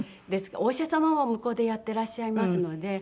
お医者様を向こうでやっていらっしゃいますので。